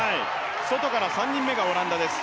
外から３人目がオランダです